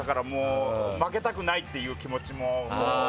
負けたくないっていう気持ちも実際。